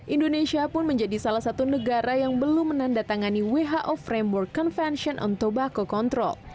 indonesia pun menjadi salah satu negara yang belum menandatangani who framework convention on tobaco control